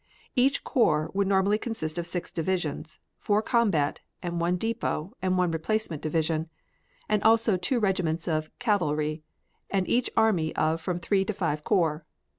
Each corps would normally consist of six divisions four combat and one depot and one replacement division and also two regiments of cavalry, and each army of from three to five corps.